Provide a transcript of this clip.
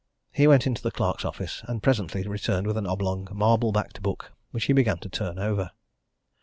He went into the clerks' office and presently returned with an oblong, marble backed book which he began to turn over.